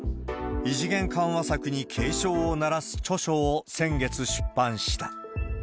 異次元緩和策に警鐘を鳴らす著書を先月出版した。